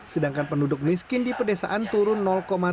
sedangkan penduduk miskin di daerah perkotaan mencapai lima belas juta orang